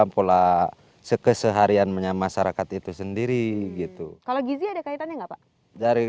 pola sekesehariannya masyarakat itu sendiri gitu kalau gizi ada kaitannya enggak pak dari